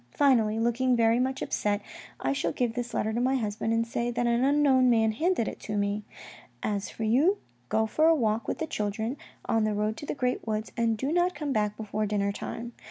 Finally, looking very much upset, I shall give this letter to my husband and say that an unknown man handed it to me. As for you, go for a walk with the children, on the road to the great woods, and do not come back before dinner time.